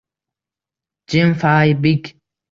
Jim Faybig